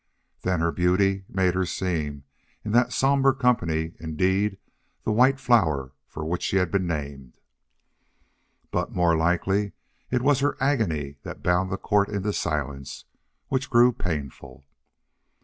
Then her beauty made her seem, in that somber company, indeed the white flower for which she had been named. But, more likely, it was her agony that bound the court into silence which grew painful.